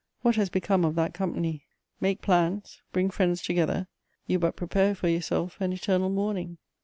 What has become of that company? Make plans, bring friends together: you but prepare for yourself an eternal mourning!